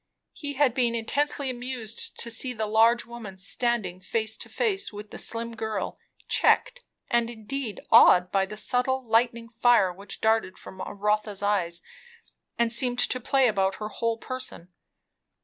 He had been intensely amused to see the large woman standing face to face with the slim girl, checked and indeed awed by the subtle lightning fire which darted from Rotha's eyes and seemed to play about her whole person.